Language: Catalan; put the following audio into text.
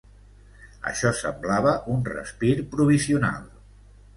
Això semblava un respir provisional.